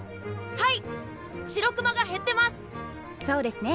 はい！